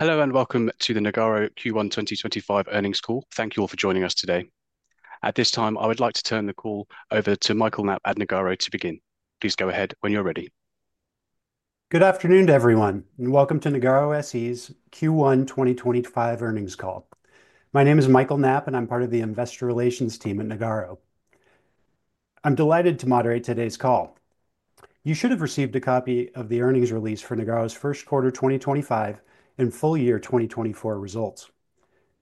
Hello and welcome to the Nagarro Q1 2025 earnings call. Thank you all for joining us today. At this time, I would like to turn the call over to Michael Knapp at Nagarro to begin. Please go ahead when you're ready. Good afternoon, everyone, and welcome to Nagarro SE's Q1 2025 earnings call. My name is Michael Knapp, and I'm part of the Investor Relations team at Nagarro. I'm delighted to moderate today's call. You should have received a copy of the earnings release for Nagarro's First Quarter 2025 and Full Year 2024 results.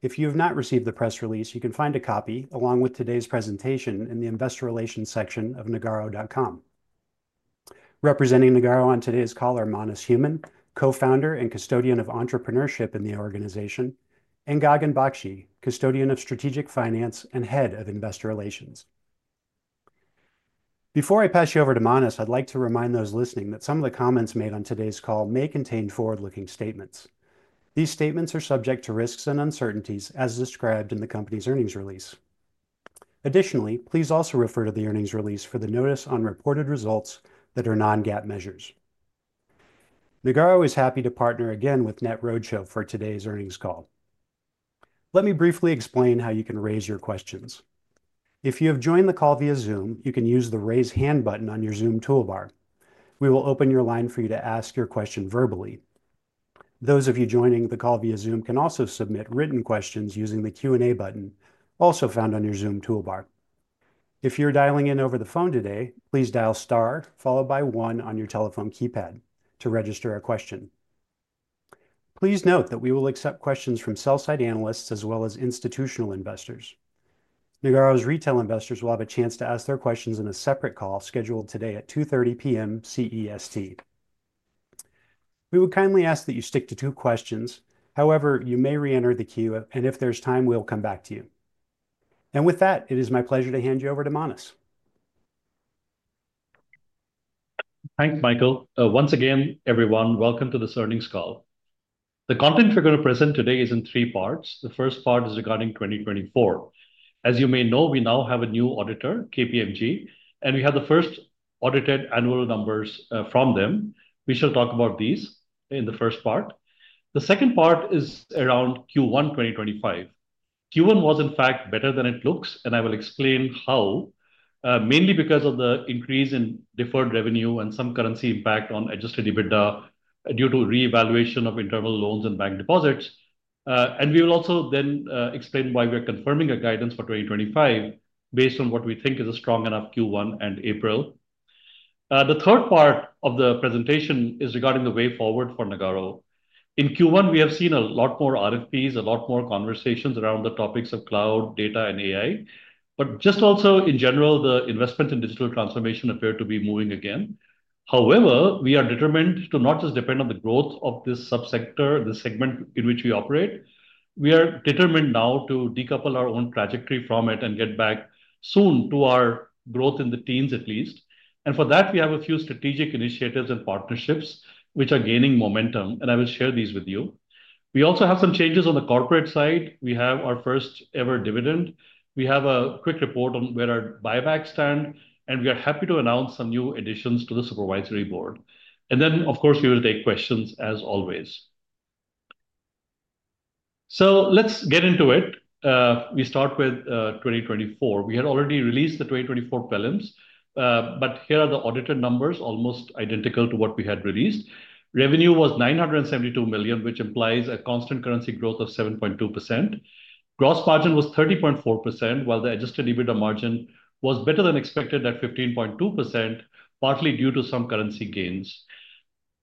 If you have not received the press release, you can find a copy along with today's presentation in the Investor Relations section of nagarro.com. Representing Nagarro on today's call are Manas Human, co-founder and custodian of entrepreneurship in the organization, and Gagan Bakshi, custodian of strategic finance and head of investor relations. Before I pass you over to Manas, I'd like to remind those listening that some of the comments made on today's call may contain forward-looking statements. These statements are subject to risks and uncertainties, as described in the company's earnings release. Additionally, please also refer to the earnings release for the notice on reported results that are non-GAAP measures. Nagarro is happy to partner again with NetRoadshow for today's earnings call. Let me briefly explain how you can raise your questions. If you have joined the call via Zoom, you can use the raise hand button on your Zoom toolbar. We will open your line for you to ask your question verbally. Those of you joining the call via Zoom can also submit written questions using the Q&A button also found on your Zoom toolbar. If you're dialing in over the phone today, please dial star followed by one on your telephone keypad to register a question. Please note that we will accept questions from sell-side analysts as well as institutional investors. Nagarro's retail investors will have a chance to ask their questions in a separate call scheduled today at 2:30 P.M. CEST. We would kindly ask that you stick to two questions. However, you may re-enter the queue, and if there's time, we'll come back to you. With that, it is my pleasure to hand you over to Manas. Thanks, Michael. Once again, everyone, welcome to this earnings call. The content we're going to present today is in three parts. The first part is regarding 2024. As you may know, we now have a new auditor, KPMG, and we have the first audited annual numbers from them. We shall talk about these in the first part. The second part is around Q1 2025. Q1 was, in fact, better than it looks, and I will explain how, mainly because of the increase in deferred revenue and some currency impact on adjusted EBITDA due to reevaluation of internal loans and bank deposits. We will also then explain why we are confirming a guidance for 2025 based on what we think is a strong enough Q1 and April. The third part of the presentation is regarding the way forward for Nagarro. In Q1, we have seen a lot more RFPs, a lot more conversations around the topics of cloud, data, and AI, but just also in general, the investment in digital transformation appeared to be moving again. However, we are determined to not just depend on the growth of this subsector, the segment in which we operate. We are determined now to decouple our own trajectory from it and get back soon to our growth in the teens, at least. For that, we have a few strategic initiatives and partnerships which are gaining momentum, and I will share these with you. We also have some changes on the corporate side. We have our first-ever dividend. We have a quick report on where our buybacks stand, and we are happy to announce some new additions to the Supervisory Board. Of course, we will take questions as always. Let's get into it. We start with 2024. We had already released the 2024 plans, but here are the audited numbers, almost identical to what we had released. Revenue was 972 million, which implies a constant currency growth of 7.2%. Gross margin was 30.4%, while the adjusted EBITDA margin was better than expected at 15.2%, partly due to some currency gains.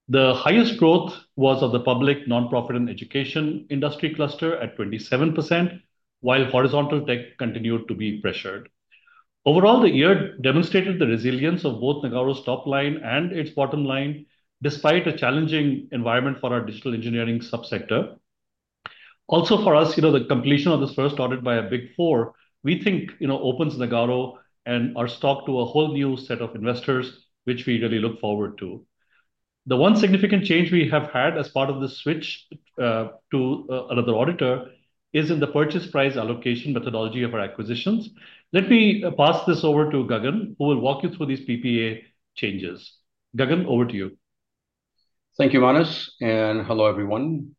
The highest growth was of the public nonprofit and education industry cluster at 27%, while horizontal tech continued to be pressured. Overall, the year demonstrated the resilience of both Nagarro's top line and its bottom line, despite a challenging environment for our digital engineering subsector. Also, for us, you know, the completion of this first audit by a Big Four, we think, you know, opens Nagarro and our stock to a whole new set of investors, which we really look forward to. The one significant change we have had as part of the switch to another auditor is in the purchase price allocation methodology of our acquisitions. Let me pass this over to Gagan, who will walk you through these PPA changes. Gagan, over to you. Thank you, Manas, and hello, everyone.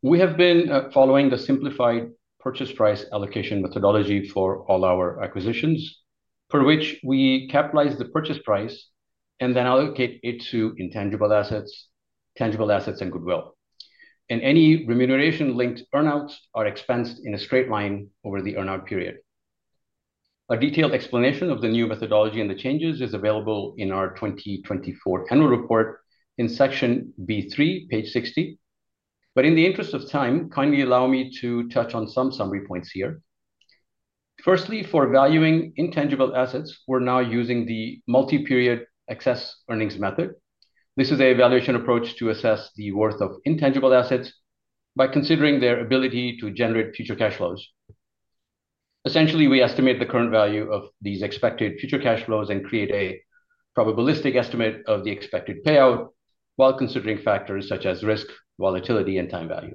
We have been following the simplified purchase price allocation methodology for all our acquisitions, for which we capitalize the purchase price and then allocate it to intangible assets, tangible assets, and goodwill. Any remuneration-linked earnouts are expensed in a straight line over the earnout period. A detailed explanation of the new methodology and the changes is available in our 2024 annual report in section B3, page 60. In the interest of time, kindly allow me to touch on some summary points here. Firstly, for valuing intangible assets, we're now using the multi-period excess earnings method. This is an evaluation approach to assess the worth of intangible assets by considering their ability to generate future cash flows. Essentially, we estimate the current value of these expected future cash flows and create a probabilistic estimate of the expected payout while considering factors such as risk, volatility, and time value.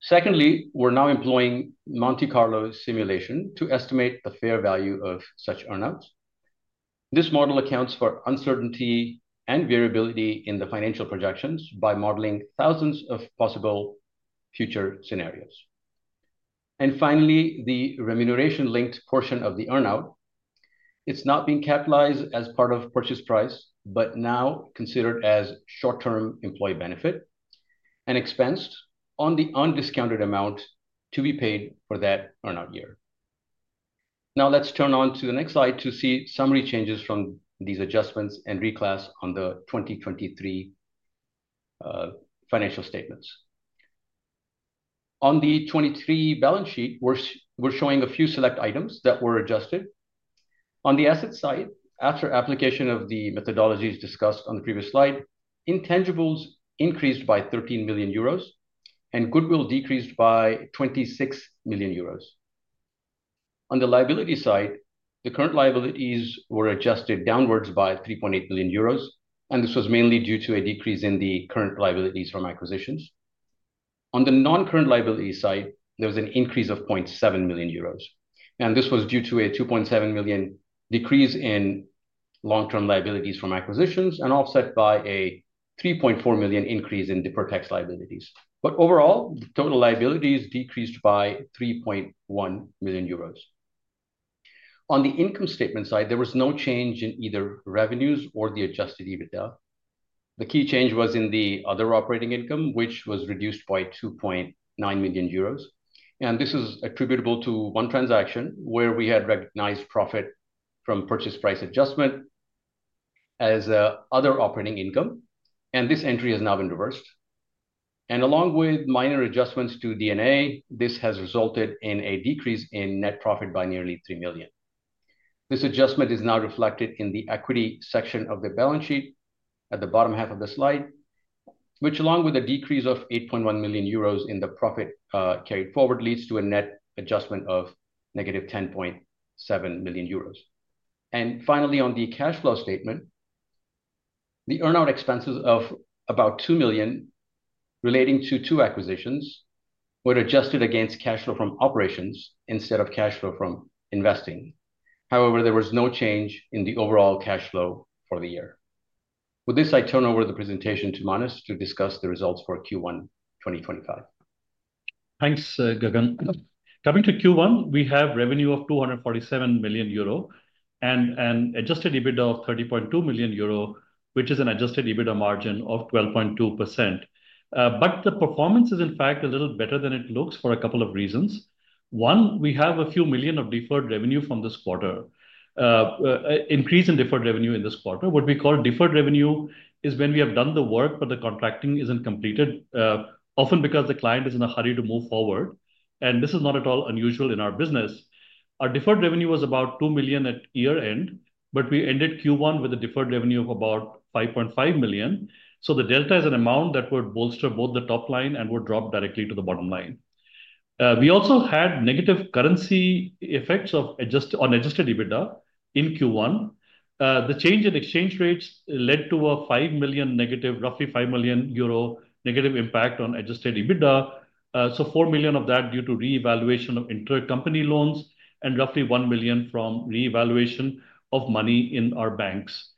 Secondly, we are now employing Monte Carlo simulation to estimate the fair value of such earnouts. This model accounts for uncertainty and variability in the financial projections by modeling thousands of possible future scenarios. Finally, the remuneration-linked portion of the earnout, it is not being capitalized as part of purchase price, but now considered as short-term employee benefit and expensed on the undiscounted amount to be paid for that earnout year. Now let us turn on to the next slide to see summary changes from these adjustments and reclass on the 2023 financial statements. On the 2023 balance sheet, we are showing a few select items that were adjusted. On the asset side, after application of the methodologies discussed on the previous slide, intangibles increased by 13 million euros and goodwill decreased by 26 million euros. On the liability side, the current liabilities were adjusted downwards by 3.8 million euros, and this was mainly due to a decrease in the current liabilities from acquisitions. On the non-current liability side, there was an increase of 0.7 million euros, and this was due to a 2.7 million decrease in long-term liabilities from acquisitions and offset by a 3.4 million increase in deferred tax liabilities. Overall, the total liabilities decreased by 3.1 million euros. On the income statement side, there was no change in either revenues or the adjusted EBITDA. The key change was in the other operating income, which was reduced by 2.9 million euros, and this is attributable to one transaction where we had recognized profit from purchase price adjustment as other operating income, and this entry has now been reversed. Along with minor adjustments to D&A, this has resulted in a decrease in net profit by nearly 3 million. This adjustment is now reflected in the equity section of the balance sheet at the bottom half of the slide, which, along with a decrease of 8.1 million euros in the profit carried forward, leads to a net adjustment of negative 10.7 million euros. Finally, on the cash flow statement, the earnout expenses of about 2 million relating to two acquisitions were adjusted against cash flow from operations instead of cash flow from investing. However, there was no change in the overall cash flow for the year. With this, I turn over the presentation to Manas to discuss the results for Q1 2025. Thanks, Gagan. Coming to Q1, we have revenue of 247 million euro and an adjusted EBITDA of 30.2 million euro, which is an adjusted EBITDA margin of 12.2%. The performance is, in fact, a little better than it looks for a couple of reasons. One, we have a few million of deferred revenue from this quarter, increase in deferred revenue in this quarter. What we call deferred revenue is when we have done the work, but the contracting is not completed, often because the client is in a hurry to move forward. This is not at all unusual in our business. Our deferred revenue was about 2 million at year-end, but we ended Q1 with a deferred revenue of about 5.5 million. The delta is an amount that would bolster both the top line and would drop directly to the bottom line. We also had negative currency effects on adjusted EBITDA in Q1. The change in exchange rates led to a 5 million, roughly 5 million euro negative impact on adjusted EBITDA. 4 million of that due to reevaluation of intercompany loans and roughly 1 million from reevaluation of money in our banks.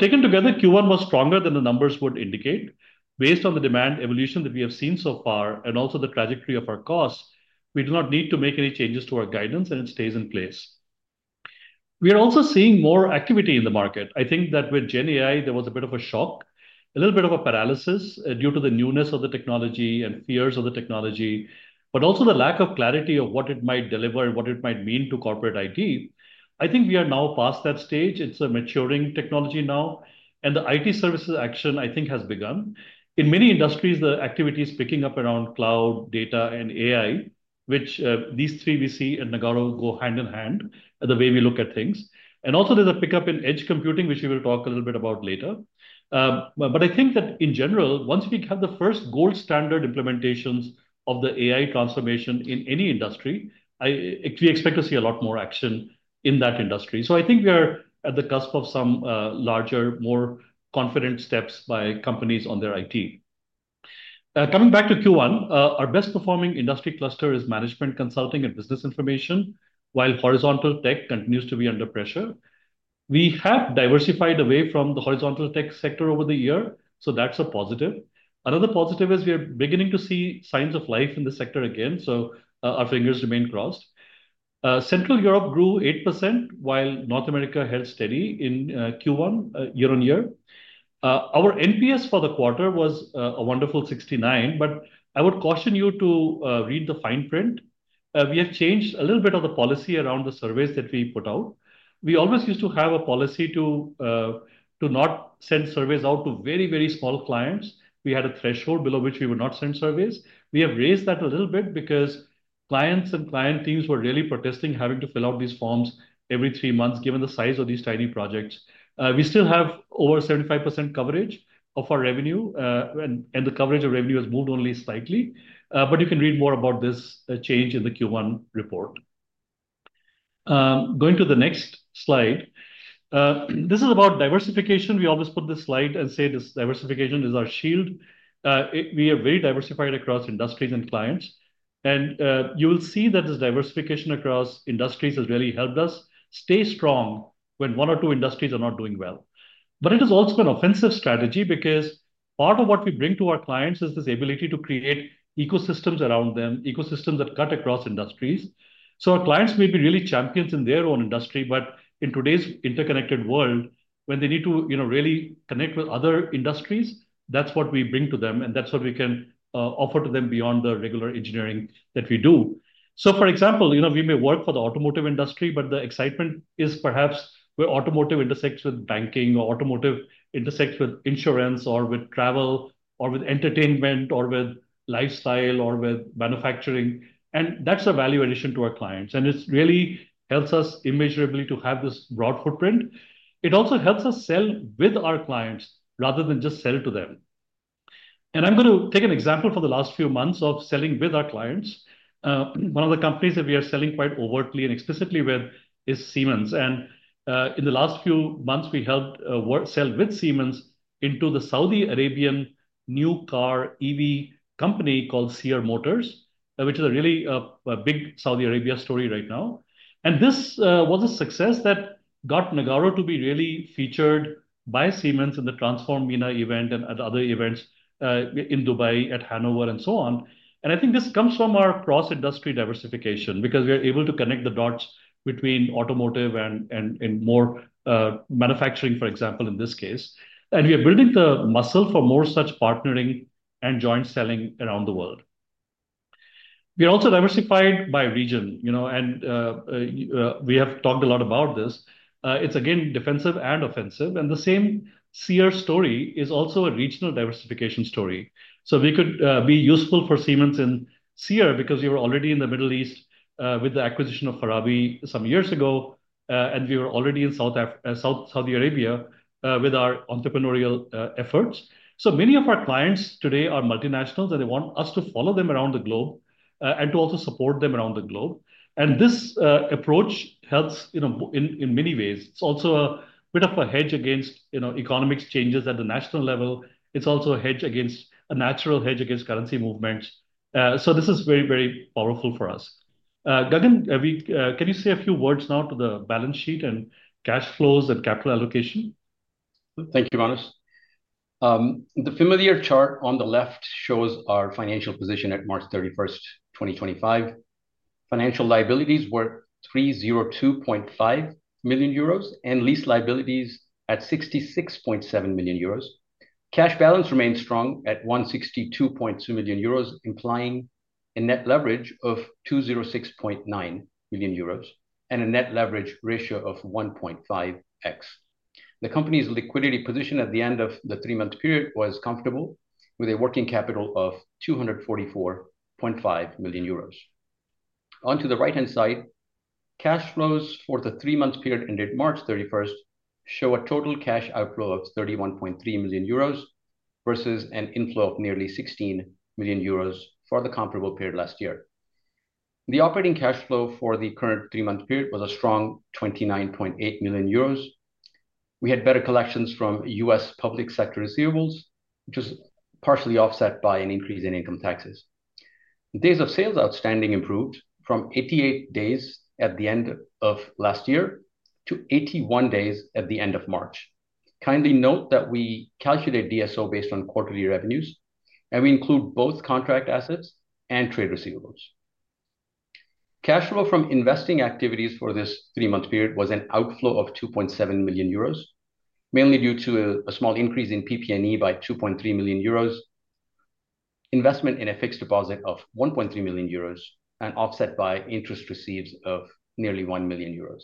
Taken together, Q1 was stronger than the numbers would indicate. Based on the demand evolution that we have seen so far and also the trajectory of our costs, we do not need to make any changes to our guidance, and it stays in place. We are also seeing more activity in the market. I think that with GenAI, there was a bit of a shock, a little bit of a paralysis due to the newness of the technology and fears of the technology, but also the lack of clarity of what it might deliver and what it might mean to corporate IT. I think we are now past that stage. It's a maturing technology now, and the IT services action, I think, has begun. In many industries, the activity is picking up around cloud, data, and AI, which these three we see at Nagarro go hand in hand the way we look at things. Also, there's a pickup in edge computing, which we will talk a little bit about later. I think that in general, once we have the first gold standard implementations of the AI transformation in any industry, we expect to see a lot more action in that industry. I think we are at the cusp of some larger, more confident steps by companies on their IT. Coming back to Q1, our best-performing industry cluster is management consulting and business information, while horizontal tech continues to be under pressure. We have diversified away from the horizontal tech sector over the year, so that's a positive. Another positive is we are beginning to see signs of life in the sector again, so our fingers remain crossed. Central Europe grew 8%, while North America held steady in Q1 year-on-year. Our NPS for the quarter was a wonderful 69, but I would caution you to read the fine print. We have changed a little bit of the policy around the surveys that we put out. We always used to have a policy to not send surveys out to very, very small clients. We had a threshold below which we would not send surveys. We have raised that a little bit because clients and client teams were really protesting having to fill out these forms every three months, given the size of these tiny projects. We still have over 75% coverage of our revenue, and the coverage of revenue has moved only slightly. You can read more about this change in the Q1 report. Going to the next slide, this is about diversification. We always put this slide and say this diversification is our shield. We are very diversified across industries and clients, and you will see that this diversification across industries has really helped us stay strong when one or two industries are not doing well. It is also an offensive strategy because part of what we bring to our clients is this ability to create ecosystems around them, ecosystems that cut across industries. Our clients may be really champions in their own industry, but in today's interconnected world, when they need to really connect with other industries, that's what we bring to them, and that's what we can offer to them beyond the regular engineering that we do. For example, you know, we may work for the automotive industry, but the excitement is perhaps where automotive intersects with banking or automotive intersects with insurance or with travel or with entertainment or with lifestyle or with manufacturing. That's a value addition to our clients, and it really helps us immeasurably to have this broad footprint. It also helps us sell with our clients rather than just sell to them. I'm going to take an example for the last few months of selling with our clients. One of the companies that we are selling quite overtly and explicitly with is Siemens. In the last few months, we helped sell with Siemens into the Saudi Arabian new car EV company called Ceer Motors, which is a really big Saudi Arabia story right now. This was a success that got Nagarro to be really featured by Siemens in the Transform MENA event and at other events in Dubai, at Hanover, and so on. I think this comes from our cross-industry diversification because we are able to connect the dots between automotive and in more manufacturing, for example, in this case. We are building the muscle for more such partnering and joint selling around the world. We are also diversified by region, you know, and we have talked a lot about this. It is again defensive and offensive, and the same Ceer story is also a regional diversification story. We could be useful for Siemens in Ceer because we were already in the Middle East with the acquisition of Farabi some years ago, and we were already in South Saudi Arabia with our entrepreneurial efforts. Many of our clients today are multinationals, and they want us to follow them around the globe and to also support them around the globe. This approach helps, you know, in many ways. It is also a bit of a hedge against, you know, economic changes at the national level. It is also a hedge, a natural hedge against currency movements. This is very, very powerful for us. Gagan, can you say a few words now to the balance sheet and cash flows and capital allocation? Thank you, Manas. The familiar chart on the left shows our financial position at March 31, 2025. Financial liabilities were 302.5 million euros and lease liabilities at 66.7 million euros. Cash balance remained strong at 162.2 million euros, implying a net leverage of 206.9 million euros and a net leverage ratio of 1.5x. The company's liquidity position at the end of the three-month period was comparable, with a working capital of 244.5 million euros. Onto the right-hand side, cash flows for the three-month period ended March 31 show a total cash outflow of 31.3 million euros versus an inflow of nearly 16 million euros for the comparable period last year. The operating cash flow for the current three-month period was a strong 29.8 million euros. We had better collections from U.S. public sector receivables, which was partially offset by an increase in income taxes. Days of sales outstanding improved from 88 days at the end of last year to 81 days at the end of March. Kindly note that we calculate DSO based on quarterly revenues, and we include both contract assets and trade receivables. Cash flow from investing activities for this three-month period was an outflow of 2.7 million euros, mainly due to a small increase in PP&E by 2.3 million euros, investment in a fixed deposit of 1.3 million euros and offset by interest receipts of nearly 1 million euros.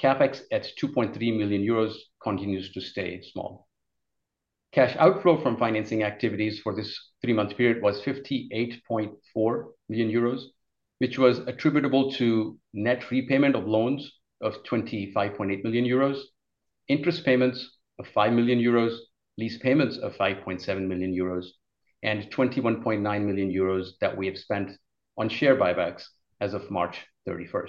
CapEx at 2.3 million euros continues to stay small. Cash outflow from financing activities for this three-month period was 58.4 million euros, which was attributable to net repayment of loans of 25.8 million euros, interest payments of 5 million euros, lease payments of 5.7 million euros, and 21.9 million euros that we have spent on share buybacks as of March 31.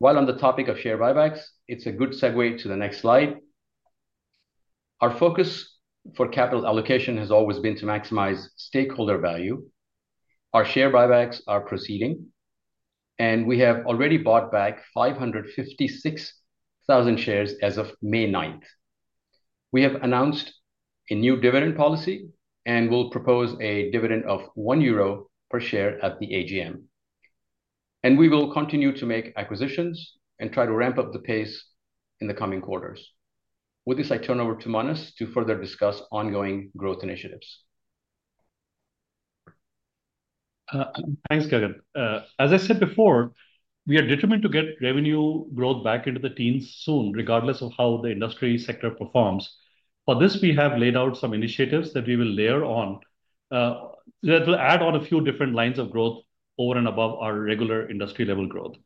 While on the topic of share buybacks, it's a good segue to the next slide. Our focus for capital allocation has always been to maximize stakeholder value. Our share buybacks are proceeding, and we have already bought back 556,000 shares as of May 9. We have announced a new dividend policy and will propose a dividend of 1 euro per share at the AGM. We will continue to make acquisitions and try to ramp up the pace in the coming quarters. With this, I turn over to Manas to further discuss ongoing growth initiatives. Thanks, Gagan. As I said before, we are determined to get revenue growth back into the teens soon, regardless of how the industry sector performs. For this, we have laid out some initiatives that we will layer on that will add on a few different lines of growth over and above our regular industry-level growth.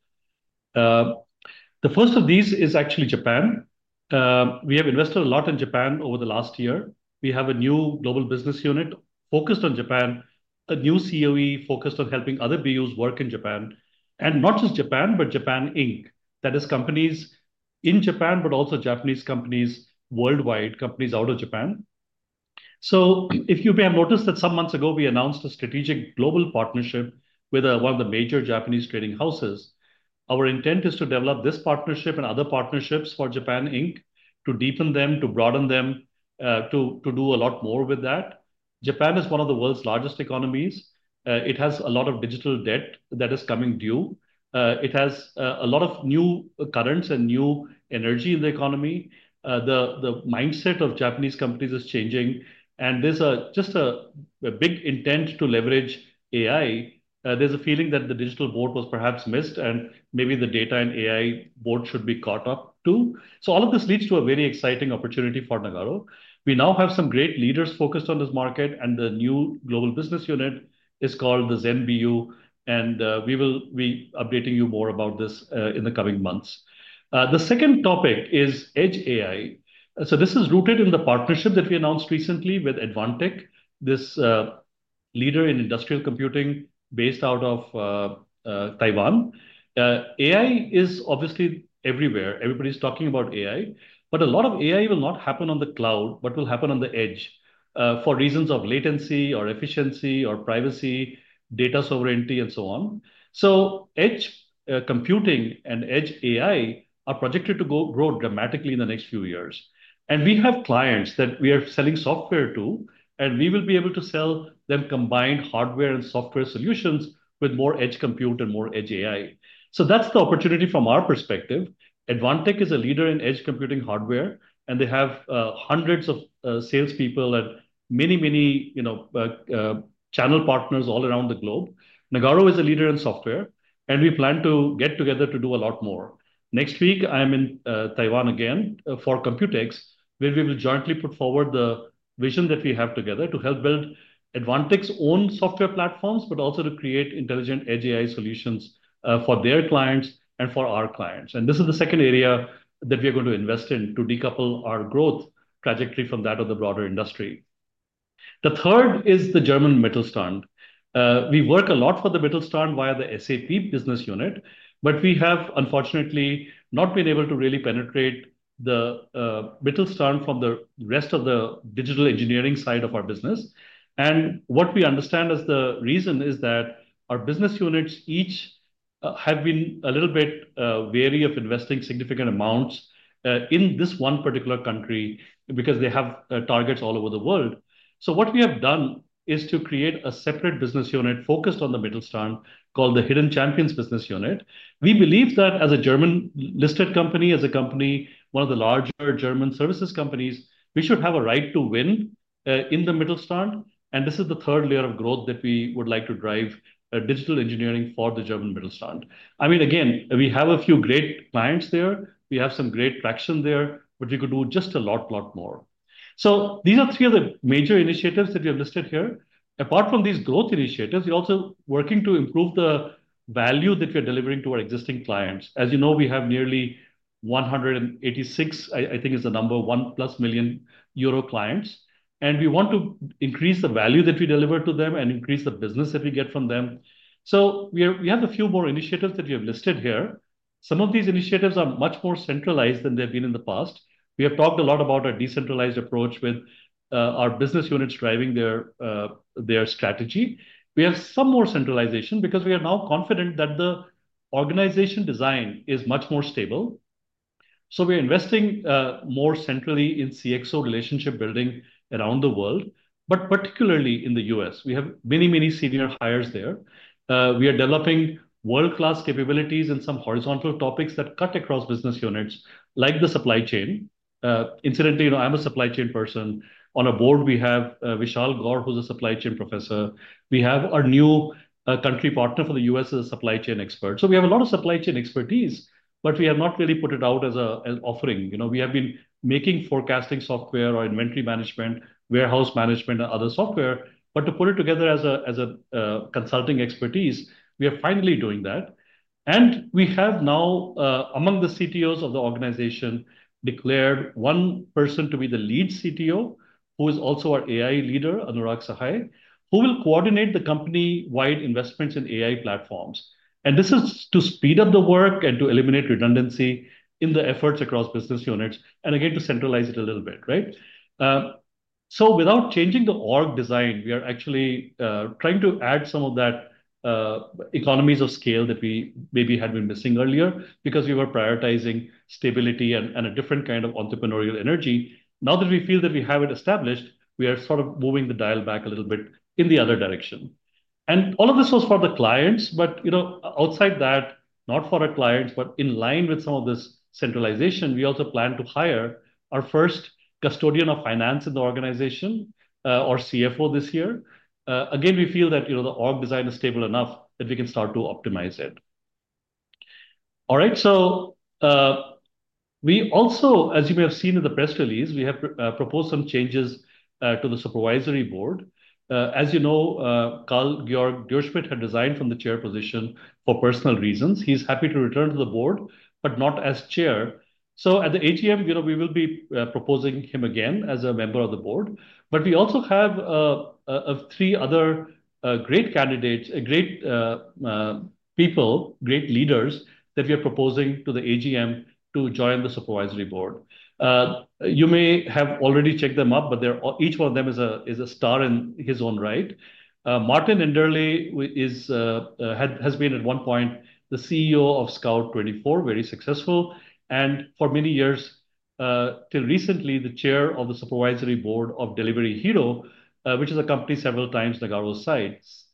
The first of these is actually Japan. We have invested a lot in Japan over the last year. We have a new global business unit focused on Japan, a new COE focused on helping other BUs work in Japan, and not just Japan, but Japan Inc. That is, companies in Japan, but also Japanese companies worldwide, companies out of Japan. If you may have noticed that some months ago, we announced a strategic global partnership with one of the major Japanese trading houses. Our intent is to develop this partnership and other partnerships for Japan Inc. to deepen them, to broaden them, to do a lot more with that. Japan is one of the world's largest economies. It has a lot of digital debt that is coming due. It has a lot of new currents and new energy in the economy. The mindset of Japanese companies is changing, and there's just a big intent to leverage AI. There's a feeling that the digital board was perhaps missed, and maybe the data and AI board should be caught up too. All of this leads to a very exciting opportunity for Nagarro. We now have some great leaders focused on this market, and the new global business unit is called the Zen BU, and we will be updating you more about this in the coming months. The second topic is Edge AI. This is rooted in the partnership that we announced recently with Advantech, this leader in industrial computing based out of Taiwan. AI is obviously everywhere. Everybody's talking about AI, but a lot of AI will not happen on the cloud, but will happen on the edge for reasons of latency or efficiency or privacy, data sovereignty, and so on. Edge computing and edge AI are projected to grow dramatically in the next few years. We have clients that we are selling software to, and we will be able to sell them combined hardware and software solutions with more edge compute and more edge AI. That's the opportunity from our perspective. Advantech is a leader in edge computing hardware, and they have hundreds of salespeople and many, many, you know, channel partners all around the globe. Nagarro is a leader in software, and we plan to get together to do a lot more. Next week, I'm in Taiwan again for Computex, where we will jointly put forward the vision that we have together to help build Advantech's own software platforms, but also to create intelligent edge AI solutions for their clients and for our clients. This is the second area that we are going to invest in to decouple our growth trajectory from that of the broader industry. The third is the German Mittelstand. We work a lot for the Mittelstand via the SAP business unit, but we have unfortunately not been able to really penetrate the Mittelstand from the rest of the digital engineering side of our business. What we understand as the reason is that our business units each have been a little bit wary of investing significant amounts in this one particular country because they have targets all over the world. What we have done is to create a separate business unit focused on the Mittelstand called the Hidden Champions Business Unit. We believe that as a German-listed company, as a company, one of the larger German services companies, we should have a right to win in the Mittelstand. This is the third layer of growth that we would like to drive digital engineering for the German Mittelstand. I mean, again, we have a few great clients there. We have some great traction there, but we could do just a lot, lot more. These are three of the major initiatives that we have listed here. Apart from these growth initiatives, we're also working to improve the value that we are delivering to our existing clients. As you know, we have nearly 186, I think is the number, one plus million EUR clients. And we want to increase the value that we deliver to them and increase the business that we get from them. We have a few more initiatives that we have listed here. Some of these initiatives are much more centralized than they've been in the past. We have talked a lot about a decentralized approach with our business units driving their strategy. We have some more centralization because we are now confident that the organization design is much more stable. We are investing more centrally in CXO relationship building around the world, but particularly in the US. We have many, many senior hires there. We are developing world-class capabilities in some horizontal topics that cut across business units like the supply chain. Incidentally, you know, I'm a supply chain person. On a board, we have Vishal Gaur, who's a supply chain professor. We have our new country partner for the U.S. as a supply chain expert. You know, we have a lot of supply chain expertise, but we have not really put it out as an offering. You know, we have been making forecasting software or inventory management, warehouse management, and other software, but to put it together as a consulting expertise, we are finally doing that. We have now, among the CTOs of the organization, declared one person to be the lead CTO, who is also our AI leader, Anurag Sahai, who will coordinate the company-wide investments in AI platforms. This is to speed up the work and to eliminate redundancy in the efforts across business units, again, to centralize it a little bit, right? Without changing the org design, we are actually trying to add some of that economies of scale that we maybe had been missing earlier because we were prioritizing stability and a different kind of entrepreneurial energy. Now that we feel that we have it established, we are sort of moving the dial back a little bit in the other direction. All of this was for the clients, but you know, outside that, not for our clients, but in line with some of this centralization, we also plan to hire our first custodian of finance in the organization, our CFO, this year. Again, we feel that, you know, the org design is stable enough that we can start to optimize it. All right, so we also, as you may have seen in the press release, we have proposed some changes to the Supervisory Board. As you know, Carl Georg Dürschmidt had resigned from the chair position for personal reasons. He's happy to return to the board, but not as chair. At the AGM, you know, we will be proposing him again as a member of the board. We also have three other great candidates, great people, great leaders that we are proposing to the AGM to join the Supervisory Board. You may have already checked them up, but each one of them is a star in his own right. Martin Enderle has been at one point the CEO of Scout24, very successful, and for many years till recently, the chair of the Supervisory Board of Delivery Hero, which is a company several times Nagarro's size.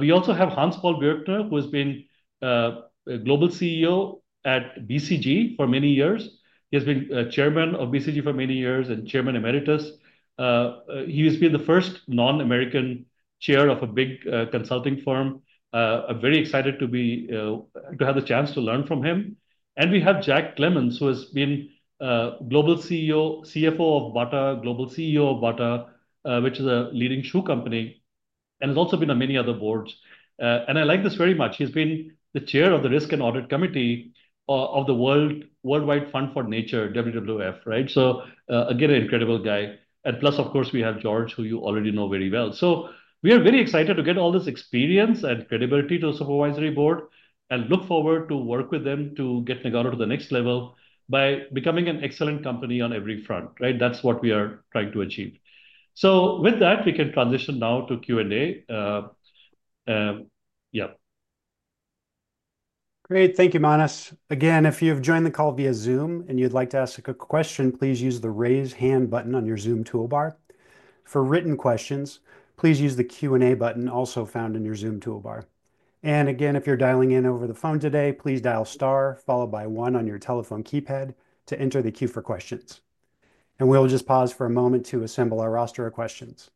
We also have Hans-Paul Bürkner, who has been a global CEO at BCG for many years. He has been chairman of BCG for many years and chairman emeritus. He has been the first non-American chair of a big consulting firm. I'm very excited to have the chance to learn from him. We have Jack Clemons, who has been global CEO, CFO of Bata, global CEO of Bata, which is a leading shoe company, and has also been on many other boards. I like this very much. He has been the chair of the Risk and Audit Committee of the World Wide Fund for Nature, WWF, right? Again, an incredible guy. Plus, of course, we have George, who you already know very well. We are very excited to get all this experience and credibility to the supervisory board and look forward to work with them to get Nagarro to the next level by becoming an excellent company on every front, right? That is what we are trying to achieve. With that, we can transition now to Q&A. Yeah. Great. Thank you, Manas. Again, if you have joined the call via Zoom and you'd like to ask a quick question, please use the raise hand button on your Zoom toolbar. For written questions, please use the Q&A button also found in your Zoom toolbar. If you're dialing in over the phone today, please dial star followed by one on your telephone keypad to enter the queue for questions. We'll just pause for a moment to assemble our roster of questions.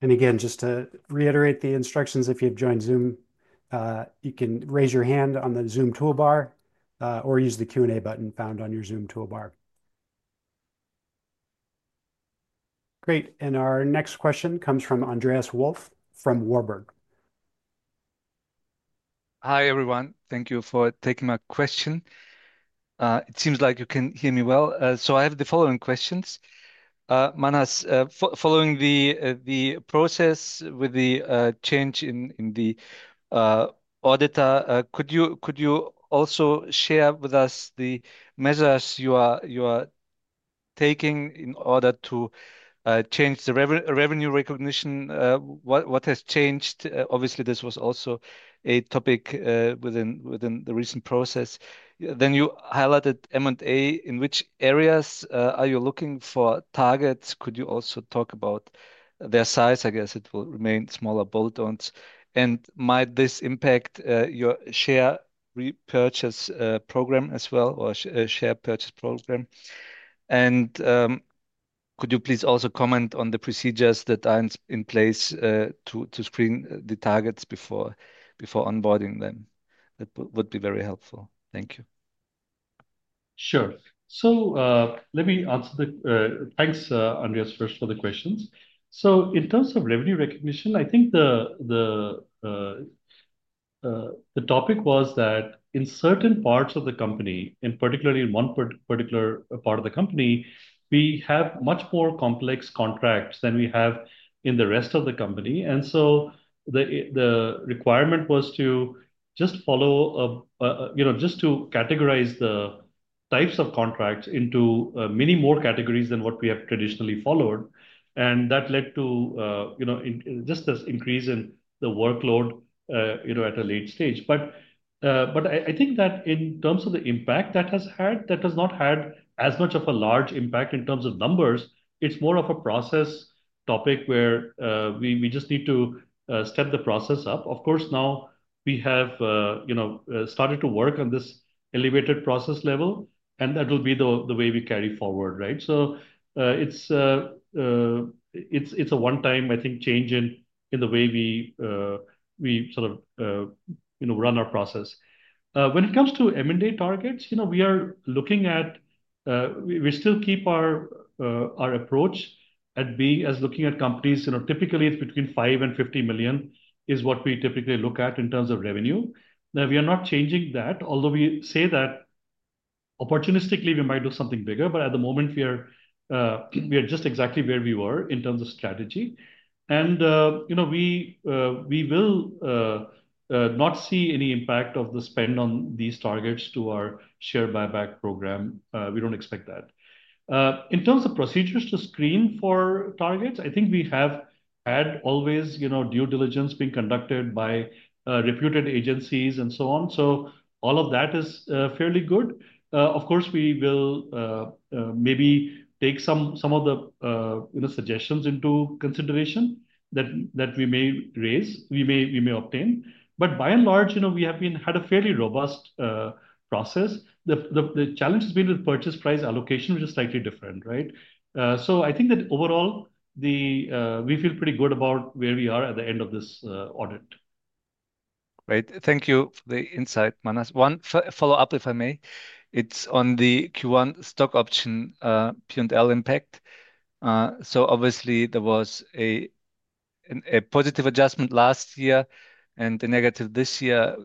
Just to reiterate the instructions, if you've joined Zoom, you can raise your hand on the Zoom toolbar or use the Q&A button found on your Zoom toolbar. Great. Our next question comes from Andreas Wolf from Warburg. Hi everyone. Thank you for taking my question. It seems like you can hear me well. I have the following questions. Manas, following the process with the change in the auditor, could you also share with us the measures you are taking in order to change the revenue recognition? What has changed? Obviously, this was also a topic within the recent process. You highlighted M&A. In which areas are you looking for targets? Could you also talk about their size? I guess it will remain smaller bolt-ons. Might this impact your share repurchase program as well or share purchase program? Could you please also comment on the procedures that are in place to screen the targets before onboarding them? That would be very helpful. Thank you. Sure. Let me answer the thanks, Andreas, first for the questions. In terms of revenue recognition, I think the topic was that in certain parts of the company, and particularly in one particular part of the company, we have much more complex contracts than we have in the rest of the company. The requirement was to just follow, you know, just to categorize the types of contracts into many more categories than what we have traditionally followed. That led to, you know, just this increase in the workload, you know, at a late stage. I think that in terms of the impact that has had, that has not had as much of a large impact in terms of numbers. It's more of a process topic where we just need to step the process up. Of course, now we have, you know, started to work on this elevated process level, and that will be the way we carry forward, right? It is a one-time, I think, change in the way we sort of, you know, run our process. When it comes to M&A targets, you know, we are looking at, we still keep our approach at being as looking at companies, you know, typically it is between 5 million and 50 million is what we typically look at in terms of revenue. Now, we are not changing that, although we say that opportunistically we might do something bigger, but at the moment we are just exactly where we were in terms of strategy. You know, we will not see any impact of the spend on these targets to our share buyback program. We do not expect that. In terms of procedures to screen for targets, I think we have had always, you know, due diligence being conducted by reputed agencies and so on. All of that is fairly good. Of course, we will maybe take some of the, you know, suggestions into consideration that we may raise, we may obtain. By and large, you know, we have had a fairly robust process. The challenge has been with purchase price allocation, which is slightly different, right? I think that overall, we feel pretty good about where we are at the end of this audit. Great. Thank you for the insight, Manas. One follow-up, if I may. It is on the Q1 stock option P&L impact. Obviously, there was a positive adjustment last year and a negative this year.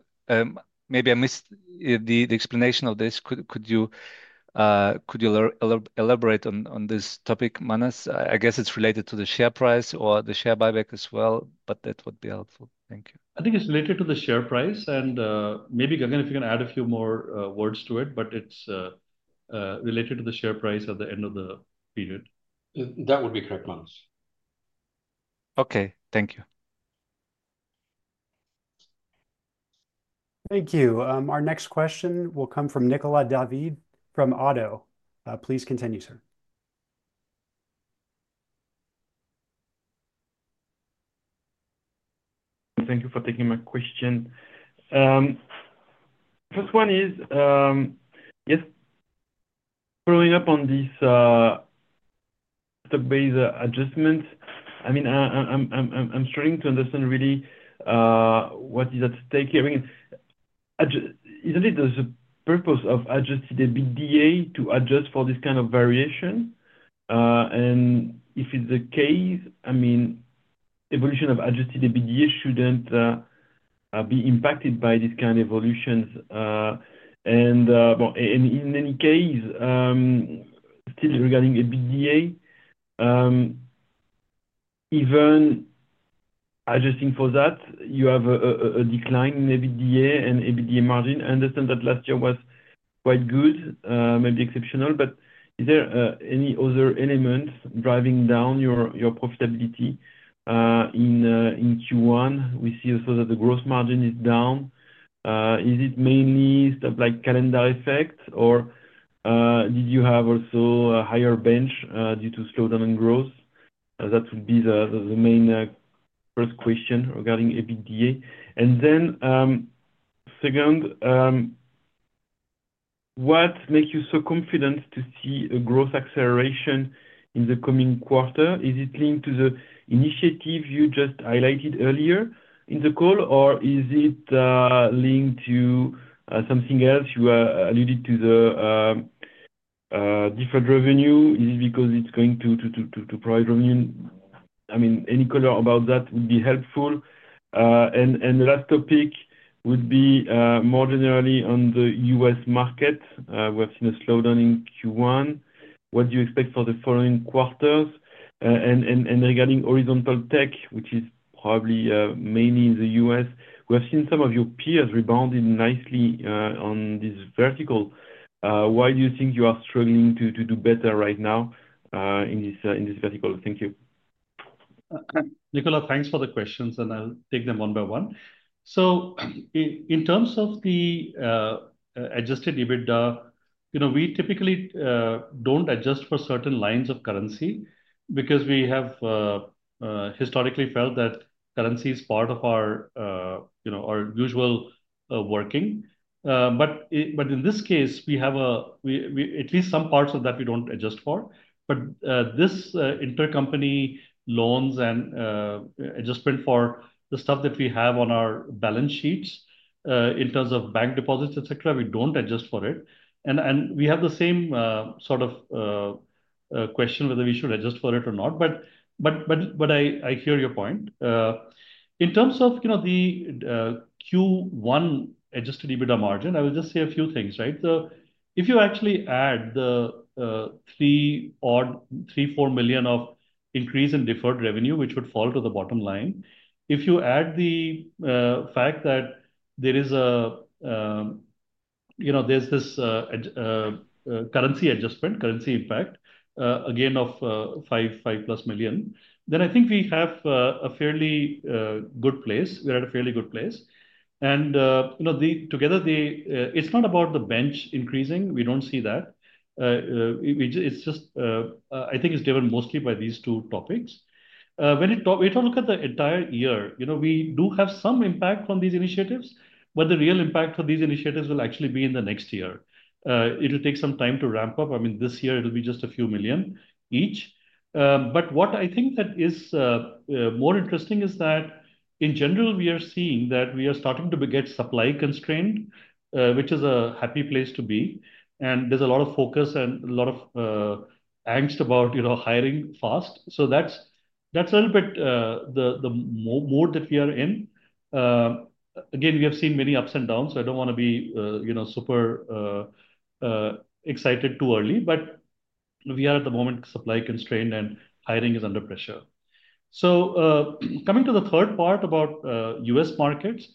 Maybe I missed the explanation of this. Could you elaborate on this topic, Manas? I guess it is related to the share price or the share buyback as well, but that would be helpful. Thank you. I think it's related to the share price and maybe Gagan, if you can add a few more words to it, but it's related to the share price at the end of the period. That would be correct, Manas. Okay. Thank you. Thank you. Our next question will come from Nicolas David from ODDO. Please continue, sir. Thank you for taking my question. First one is, yes, following up on this adjustment, I mean, I'm struggling to understand really what is at stake here. I mean, isn't it the purpose of adjusting the EBITDA to adjust for this kind of variation? If it's the case, I mean, evolution of adjusted EBITDA shouldn't be impacted by this kind of evolution. In any case, still regarding EBITDA, even adjusting for that, you have a decline in the EBITDA and EBITDA margin. I understand that last year was quite good, maybe exceptional, but is there any other elements driving down your profitability in Q1? We see also that the gross margin is down. Is it mainly stuff like calendar effect, or did you have also a higher bench due to slowdown in growth? That would be the main first question regarding EBITDA. Then second, what makes you so confident to see a growth acceleration in the coming quarter? Is it linked to the initiative you just highlighted earlier in the call, or is it linked to something else? You alluded to the different revenue. Is it because it is going to provide revenue? I mean, any color about that would be helpful. The last topic would be more generally on the U.S. market. We have seen a slowdown in Q1. What do you expect for the following quarters? Regarding horizontal tech, which is probably mainly in the U.S., we have seen some of your peers rebounding nicely on this vertical. Why do you think you are struggling to do better right now in this vertical? Thank you. Nicolas, thanks for the questions, and I'll take them one by one. In terms of the adjusted EBITDA, you know, we typically do not adjust for certain lines of currency because we have historically felt that currency is part of our usual working. In this case, we have at least some parts of that we do not adjust for. This intercompany loans and adjustment for the stuff that we have on our balance sheets in terms of bank deposits, etc., we do not adjust for it. We have the same sort of question whether we should adjust for it or not. I hear your point. In terms of, you know, the Q1 adjusted EBITDA margin, I will just say a few things, right? If you actually add the three-odd, three-four million of increase in deferred revenue, which would fall to the bottom line, if you add the fact that there is a, you know, there is this currency adjustment, currency impact, again, of 5 million-plus, then I think we have a fairly good place. We are at a fairly good place. And, you know, together, it is not about the bench increasing. We do not see that. It is just, I think it is driven mostly by these two topics. When we look at the entire year, you know, we do have some impact on these initiatives, but the real impact for these initiatives will actually be in the next year. It will take some time to ramp up. I mean, this year, it will be just a few million each. What I think that is more interesting is that in general, we are seeing that we are starting to get supply constrained, which is a happy place to be. There is a lot of focus and a lot of angst about, you know, hiring fast. That is a little bit the mode that we are in. Again, we have seen many ups and downs, so I do not want to be, you know, super excited too early, but we are at the moment supply constrained and hiring is under pressure. Coming to the third part about U.S. markets,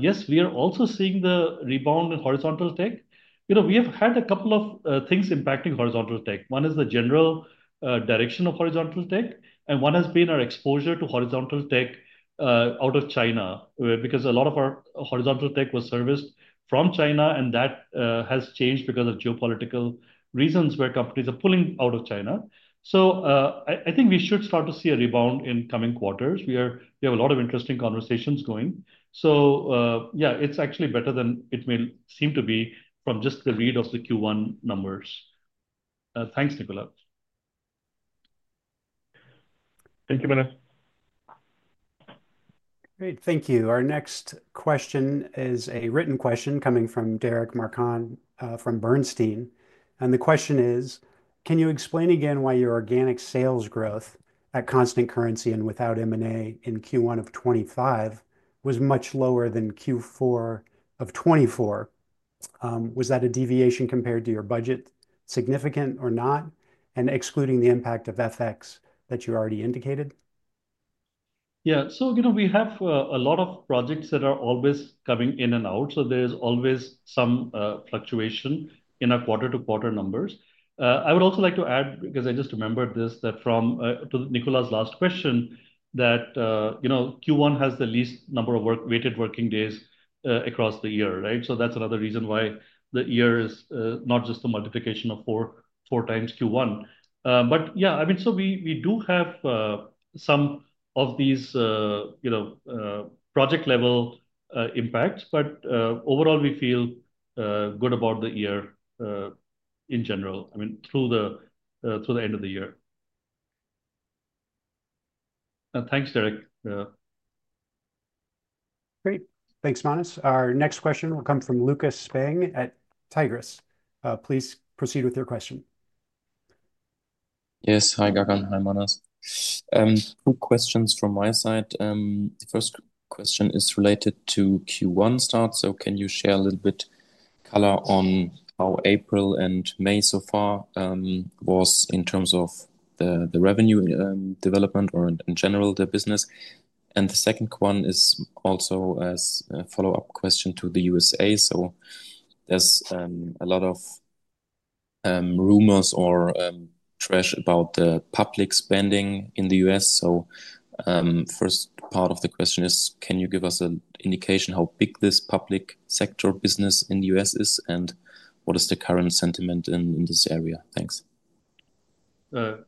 yes, we are also seeing the rebound in horizontal tech. You know, we have had a couple of things impacting horizontal tech. One is the general direction of horizontal tech, and one has been our exposure to horizontal tech out of China because a lot of our horizontal tech was serviced from China, and that has changed because of geopolitical reasons where companies are pulling out of China. I think we should start to see a rebound in coming quarters. We have a lot of interesting conversations going. Yeah, it is actually better than it may seem to be from just the read of the Q1 numbers. Thanks, Nicolas. Thank you, Manas. Great. Thank you. Our next question is a written question coming from Derek Markan from Bernstein. The question is, can you explain again why your organic sales growth at constant currency and without M&A in Q1 of 2025 was much lower than Q4 of 2024? Was that a deviation compared to your budget significant or not? Excluding the impact of FX that you already indicated. Yeah. You know, we have a lot of projects that are always coming in and out. There is always some fluctuation in our quarter-to-quarter numbers. I would also like to add, because I just remembered this, that from Nikolas' last question, Q1 has the least number of weighted working days across the year, right? That is another reason why the year is not just the multiplication of four times Q1. Yeah, I mean, we do have some of these project-level impacts, but overall, we feel good about the year in general, I mean, through the end of the year. Thanks, Derek. Great. Thanks, Manas. Our next question will come from Lukas Spang at Tigris. Please proceed with your question. Yes. Hi, Gagan. Hi, Manas. Two questions from my side. The first question is related to Q1 start. Can you share a little bit color on how April and May so far was in terms of the revenue development or in general the business? The second one is also as a follow-up question to the US. There is a lot of rumors or trash about the public spending in the U.S. The first part of the question is, can you give us an indication how big this public sector business in the U.S. is and what is the current sentiment in this area? Thanks.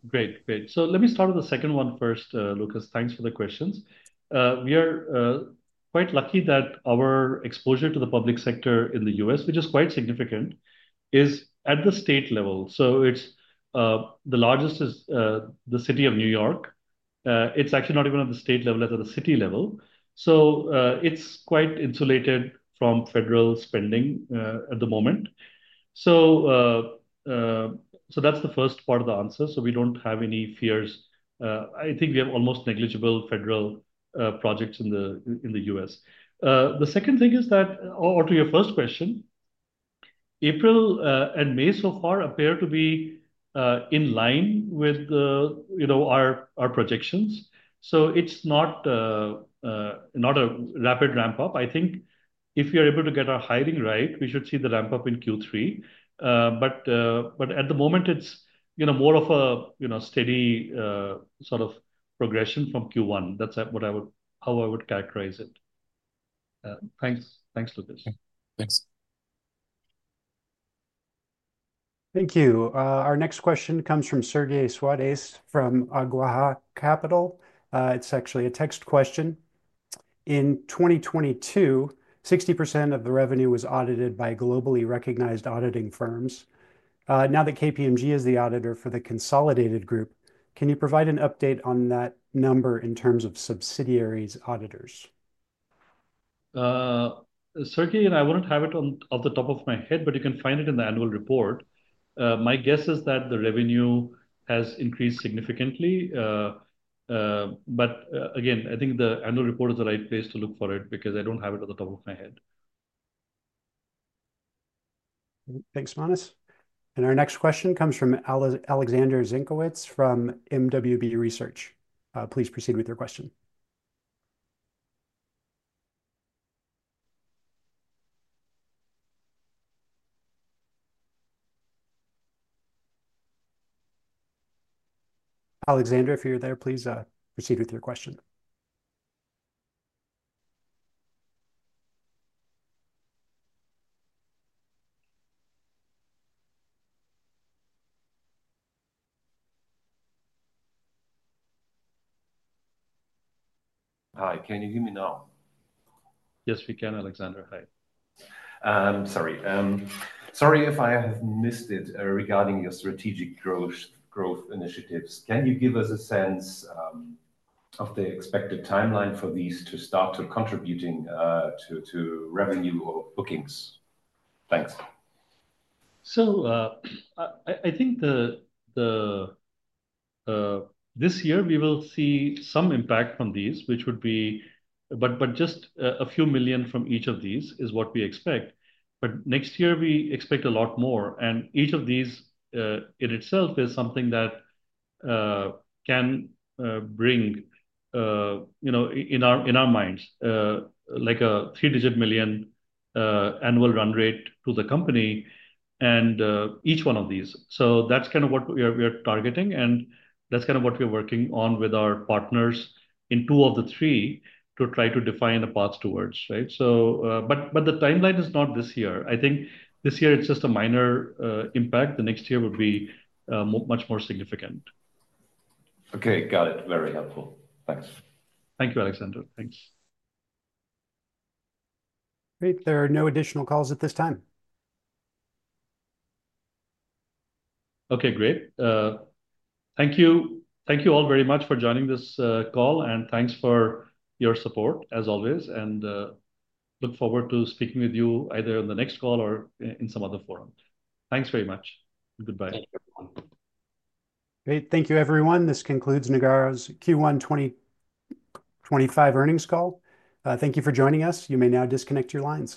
Great, great. Let me start with the second one first, Lucas. Thanks for the questions. We are quite lucky that our exposure to the public sector in the U.S., which is quite significant, is at the state level. The largest is the city of New York. It is actually not even at the state level, at the city level. It is quite insulated from federal spending at the moment. That is the first part of the answer. We do not have any fears. I think we have almost negligible federal projects in the U.S. The second thing is that, or to your first question, April and May so far appear to be in line with our projections. It is not a rapid ramp-up. I think if we are able to get our hiring right, we should see the ramp-up in Q3. At the moment, it's more of a steady sort of progression from Q1. That's how I would characterize it. Thanks. Thanks, Lucas. Thanks. Thank you. Our next question comes from Sergey Swadis from Agwaha Capital. It's actually a text question. In 2022, 60% of the revenue was audited by globally recognized auditing firms. Now that KPMG is the auditor for the consolidated group, can you provide an update on that number in terms of subsidiaries' auditors? Sergey, and I wouldn't have it on the top of my head, but you can find it in the annual report. My guess is that the revenue has increased significantly. Again, I think the annual report is the right place to look for it because I don't have it at the top of my head. Thanks, Manas. Our next question comes from Alexander Zienkowicz from MWB Research. Please proceed with your question. Alexander, if you're there, please proceed with your question. Hi. Can you hear me now? Yes, we can, Alexander. Hi. I'm sorry. Sorry if I have missed it regarding your strategic growth initiatives. Can you give us a sense of the expected timeline for these to start contributing to revenue or bookings? Thanks. I think this year we will see some impact from these, which would be, but just a few million from each of these is what we expect. Next year, we expect a lot more. Each of these in itself is something that can bring, you know, in our minds, like a three-digit million annual run rate to the company and each one of these. That is kind of what we are targeting. That is kind of what we are working on with our partners in two of the three to try to define a path towards, right? The timeline is not this year. I think this year it is just a minor impact. Next year would be much more significant. Okay. Got it. Very helpful. Thanks. Thank you, Alexander. Thanks. Great. There are no additional calls at this time. Okay, great. Thank you. Thank you all very much for joining this call. Thank you for your support, as always. I look forward to speaking with you either in the next call or in some other forum. Thank you very much. Goodbye. Great. Thank you, everyone. This concludes Nagarro's Q1 2025 earnings call. Thank you for joining us. You may now disconnect your lines.